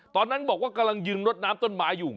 ตอนนั้นบอกว่ากำลังยืนรดน้ำต้นไม้อยู่